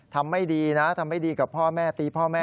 ทำให้ดีนะทำให้ดีกับพ่อแม่ตีพ่อแม่